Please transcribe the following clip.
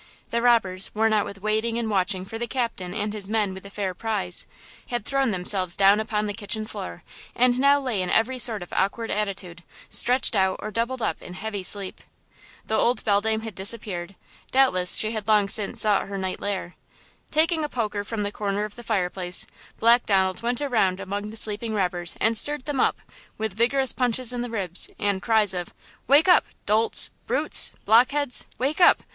The robbers, worn out with waiting and watching for the captain and his men with the fair prize, had thrown themselves down upon the kitchen floor, and now lay in every sort of awkward attitude, stretched out or doubled up in heavy sleep. The old beldame had disappeared–doubtless she had long since sought her night lair. Taking a poker from the corner of the fireplace, Black Donald, went around among the sleeping robbers and stirred them up, with vigorous punches in the ribs and cries of: "Wake up!–dolts! brutes! blockheads! Wake up!